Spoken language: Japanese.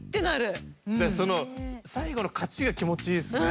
その最後の「カチッ」が気持ちいいっすね。